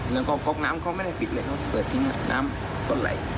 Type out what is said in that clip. แล้วก็น้ำเขาไม่ได้ปิดเลยเขาเปิดทิ้งน้ำต้นไหล